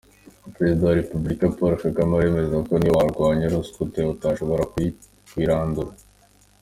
Perezida wa Repubulika, Paul Kagame, aremeza ko niyo warwanya ruswa ute udashobora kuyirandura.